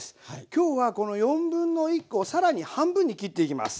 今日はこの1/4コを更に半分に切っていきます。